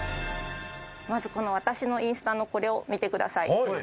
まずこの私のインスタのこれを見てください。